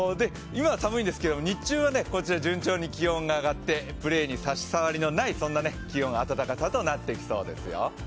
今は寒いんですけど、日中はこちら順調に気温が上がってプレーに差し障りのないそんな気温、暖かさとなってきそうですよ。